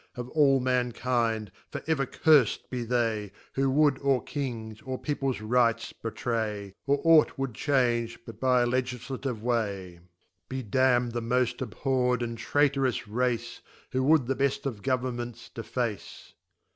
Of all Mankind, for ever curfl be they, Who. would or Kings, or Peoples Rights betray* Or ought would change, butby aLegiflative way. Be [23'J Be damn d the mod abhorr'd, and Traiterous Pvace, Who would the beft of Governments deface.